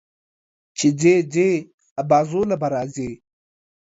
چې ځې، ځې ابازوی ته به راځې.